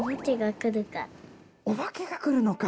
おばけが来るのか。